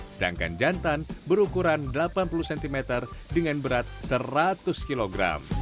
sedangkan jantan berukuran delapan puluh cm dengan berat seratus kg